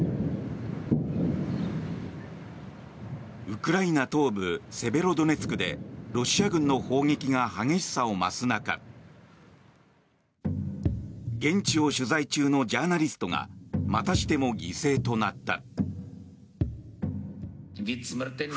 ウクライナ東部セベロドネツクでロシア軍の砲撃が激しさを増す中現地を取材中のジャーナリストがまたしても犠牲となった。